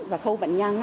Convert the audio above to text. và khu bệnh nhân